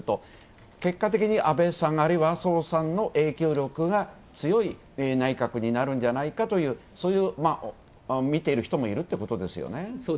結果的に安倍さん、麻生さんの影響力が強い内閣になるんじゃないかとそう見ている人もいるということですよね。